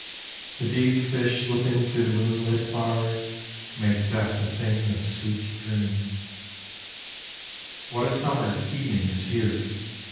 The deep fish slipping through the moonlit bars Make death a thing of sweet dreams, —" What a Summer's evening is here.